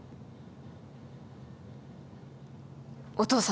お父様